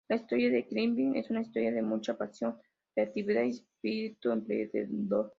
La historia de Kipling es una historia de mucha pasión, creatividad y espíritu emprendedor.